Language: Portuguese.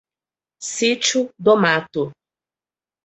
Sítio do Mato